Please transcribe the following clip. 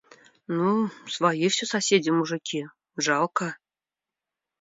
Ну, свои всё соседи мужики, жалко.